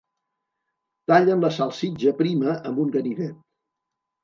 Tallen la salsitxa prima amb un ganivet.